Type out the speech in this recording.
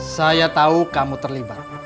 saya tahu kamu terlibat